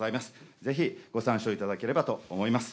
ぜひご参照いただければと思います。